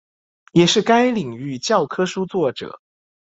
也是该领域教科书作者。